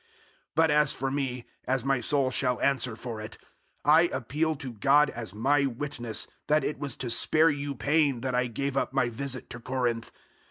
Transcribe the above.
001:023 But as for me, as my soul shall answer for it, I appeal to God as my witness, that it was to spare you pain that I gave up my visit to Corinth.